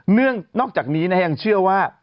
เนื่องจากนี้ยังเชื่อว่า